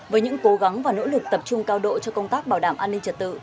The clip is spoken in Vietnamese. với những cố gắng và nỗ lực tập trung cao độ cho công tác bảo đảm an ninh trật tự